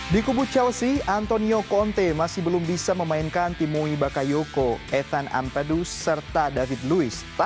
di kubu chelsea antonio conte masih belum bisa memainkan timu ibakayu